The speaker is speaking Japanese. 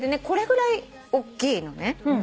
これぐらいおっきいのね。